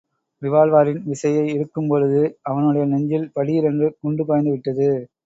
ரிவால்வரின் விசையை இழுக்கும்போழுது, அவனுடைய நெஞ்சில் படீரென்று குண்டு பாய்ந்து விட்டது.